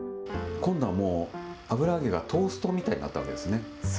今度はもう、油揚げがトーストみたいになったわけですね。